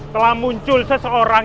telah muncul seseorang